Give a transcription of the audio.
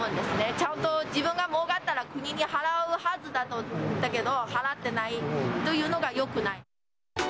ちゃんと自分がもうかったら、国に払うはずだけど、払ってないというのがよくない。